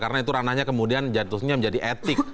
karena itu ranahnya kemudian jatuhnya menjadi etik